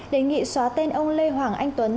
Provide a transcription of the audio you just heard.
đề nghị xóa tên ông lê hoàng anh tuấn